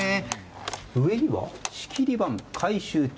上には、「仕切り板回収中！！」。